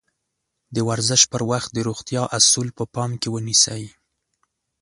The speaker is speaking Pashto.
د ورزش پر وخت د روغتيا اَصول په پام کې ونيسئ.